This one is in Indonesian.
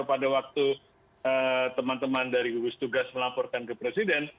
pada waktu teman teman dari gugus tugas melaporkan ke presiden